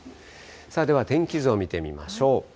さあでは、天気図を見てみましょう。